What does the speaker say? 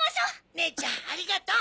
ねえちゃんありがとう！